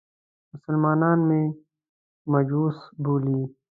مسلمانان مې مجوس بولي.